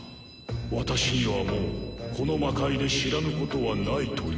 私にはもうこの魔界で知らぬことはないというのか。